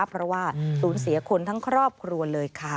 เพราะว่าสูญเสียคนทั้งครอบครัวเลยค่ะ